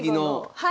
はい。